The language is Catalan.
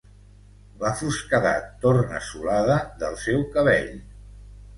La fosquedat tornassolada del seu cabell